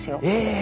え！